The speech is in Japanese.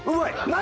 何！？